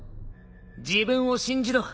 自分を信じろ。